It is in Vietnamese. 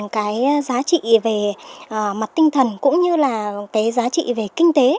cái giá trị về mặt tinh thần cũng như là cái giá trị về kinh tế